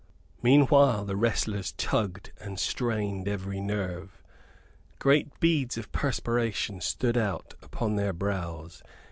Meanwhile the wrestlers tugged and strained every nerve. Great beads of perspiration stood out upon their brows.